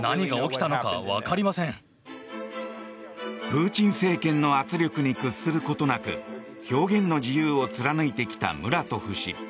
プーチン政権の圧力に屈することなく表現の自由を貫いてきたムラトフ氏。